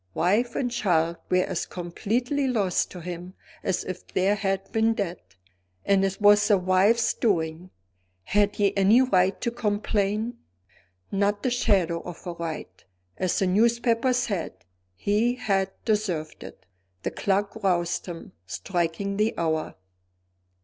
Wife and child were as completely lost to him as if they had been dead and it was the wife's doing. Had he any right to complain? Not the shadow of a right. As the newspapers said, he had deserved it. The clock roused him, striking the hour.